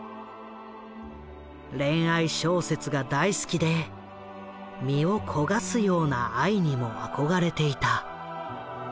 恋愛小説が大好きで身を焦がすような愛にも憧れていた。